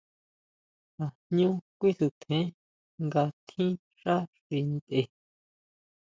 Tajñú kuisutjen nga tjín xá xi ntʼe.